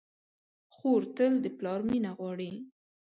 خور تل د پلار مینه غواړي.